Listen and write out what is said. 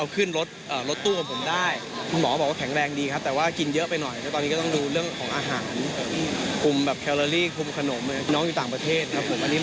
คุมแบบแคลอรี่คุมขนมน้องอยู่ต่างประเทศครับผม